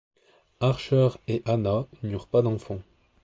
Archer et Anna n’eurent pas d'enfants.